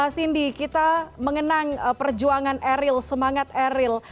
cindy kita mengenang perjuangan eril semangat eril